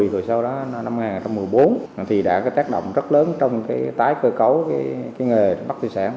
rồi sau đó năm hai nghìn một mươi bốn thì đã tác động rất lớn trong tái cơ cấu nghề bắt thủy sản